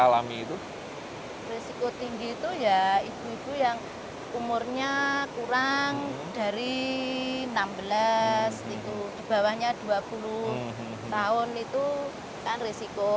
risiko tinggi itu ya ibu ibu yang umurnya kurang dari enam belas dibawahnya dua puluh tahun itu kan risiko